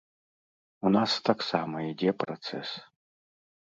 У нас таксама ідзе працэс.